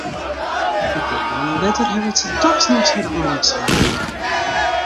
In pear moanne letter hellet se dochs noch har eineksamen.